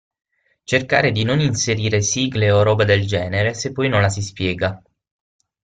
Cercare di non inserire sigle o roba del genere se poi non la si spiega.